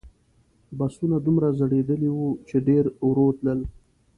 بسونه دومره زړیدلي وو چې ډېر ورو تلل.